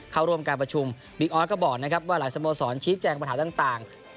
เข้าร่วมการประชุมบิ๊กออสก็บอกนะครับว่าหลายสโมสรชี้แจงปัญหาต่าง